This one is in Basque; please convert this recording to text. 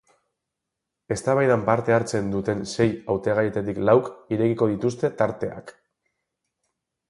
Eztabaidan parte hartzen duten sei hautagaietatik lauk irekiko dituzte tarteak.